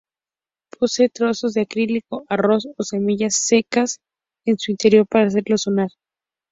Posee trozos de acrílico, arroz o semillas secas en su interior para hacerlo sonar.